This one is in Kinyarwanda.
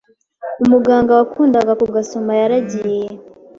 Umuganga wakundaga kugasoma yaragiye